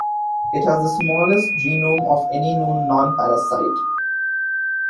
It has the smallest genome of any known non-parasite.